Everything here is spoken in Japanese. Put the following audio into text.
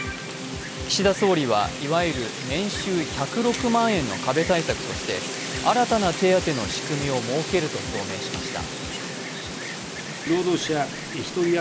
岸田総理はいわゆる年収１０６万円の壁対策として新たな手当の仕組みを設けると表明しました。